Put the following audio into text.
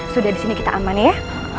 sudah disini kita aman ya